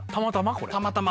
たまたま？